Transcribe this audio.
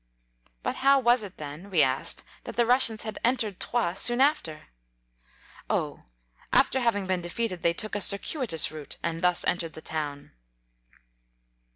" But how was it then," we asked, " that the Russians had entered Troyes soon af ter ?"—" Oh, after having been de feated, they took a circuitous route, and thus entered the town."